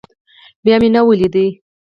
بيا مې ونه ليده.